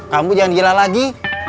kamu jangan gila lagi